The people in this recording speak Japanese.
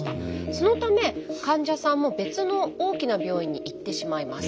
そのため患者さんも別の大きな病院に行ってしまいます。